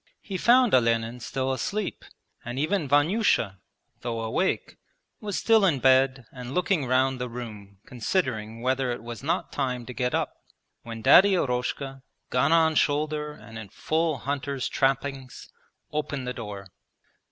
He found Olenin still asleep, and even Vanyusha, though awake, was still in bed and looking round the room considering whether it was not time to get up, when Daddy Eroshka, gun on shoulder and in full hunter's trappings, opened the door.